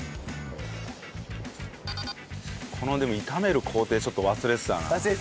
このでも炒める工程ちょっと忘れてたな。